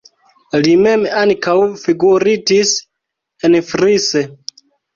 Li mem ankaŭ figuritis enfrise.